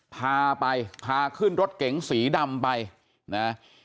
พาไปพาขึ้นรถเก๋งสีดำไปนะ